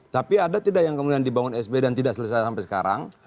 tapi ada tidak yang kemudian dibangun sby dan tidak selesai sampai sekarang